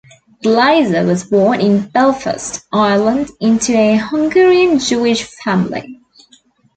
Glazer was born in Belfast, Ireland, into a Hungarian Jewish family.